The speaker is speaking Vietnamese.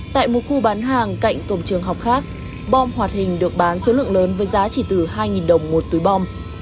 tại một khu bán hàng cạnh cổng trường học khác bom hoạt hình được bán số lượng lớn với giá chỉ từ hai đồng một túi bom